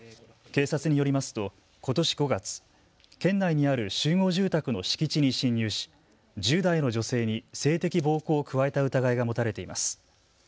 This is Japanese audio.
警察によりますと、ことし５月、県内にある集合住宅の敷地に侵入し１０代の女性に性的暴行を加えた疑いが持たれています。